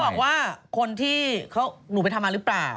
บอกว่าคนที่หนูไปทำมาหรือเปล่า